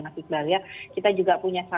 mas iqbal ya kita juga punya